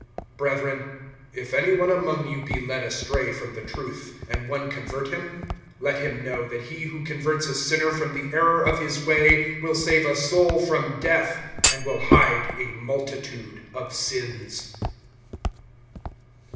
(19)Brethren, if any one among you be led astray from the truth, and one convert him; (20)let him know, that he who converts a sinner from the error of his way will save a soul from death, and will hide a multitude of sins.